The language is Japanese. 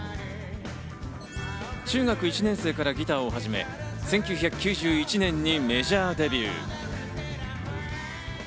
中学１年生からギターを始め、１９９１年にメジャーデビュー。